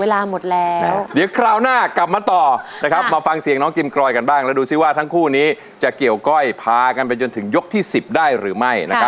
แล้วดูซิก่อนมากกว่าจะเกี่ยวก่อยพากับก็ถึงยกที่สิบได้หรือไม่